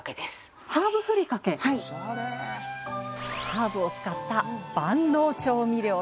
ハーブを使った万能調味料です。